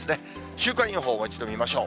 週間予報、もう一度見ましょう。